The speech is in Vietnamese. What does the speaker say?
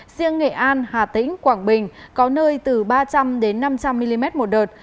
riêng nghệ an hà tĩnh quảng bình có nơi từ ba trăm linh năm trăm linh mm một đợt